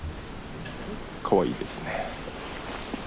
かわいいですね。